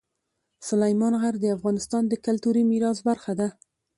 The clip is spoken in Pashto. سلیمان غر د افغانستان د کلتوري میراث برخه ده.